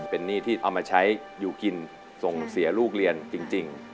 เป็นหนี้ที่เอามาใช้อยู่กินส่งเสียลูกเรียนจริง